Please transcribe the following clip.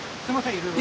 いろいろ。